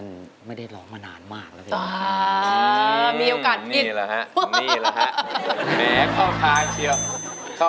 แรกที่สองนะครับมาเลยครับ